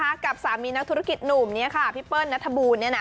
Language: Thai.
และกับสามีนักธุรกิจหนูบพี่เปิ้ลณฑบูล